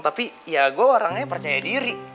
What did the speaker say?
tapi ya gue orangnya percaya diri